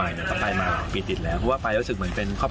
แต่รู้สึกพรุ่งเทพมันปิดหมดเลยอะไรอย่างนี้นะครับ